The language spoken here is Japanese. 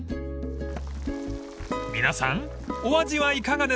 ［皆さんお味はいかがですか？］